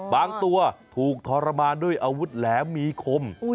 ตัวถูกทรมานด้วยอาวุธแหลมมีคม